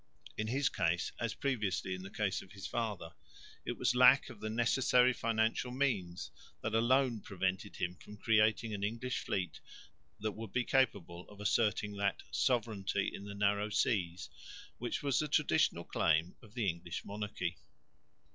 In his case, as previously in the case of his father, it was lack of the necessary financial means that alone prevented him from creating an English fleet that would be capable of asserting that "sovereignty in the narrow seas," which was the traditional claim of the English monarchy.